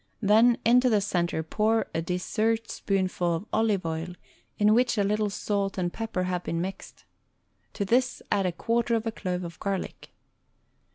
Then, into the center pour a dessertspoonful of olive oil in which a little salt and pepper have been mixed. To this add a quarter of a clove of garlic.